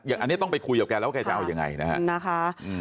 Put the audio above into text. อันนี้ต้องไปคุยกับแกแล้วว่าแกจะเอายังไงนะฮะ